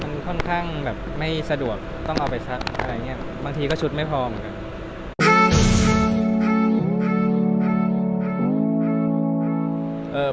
มันค่อนข้างแบบไม่สะดวกต้องเอาไปซักอะไรอย่างนี้บางทีก็ชุดไม่พอเหมือนกัน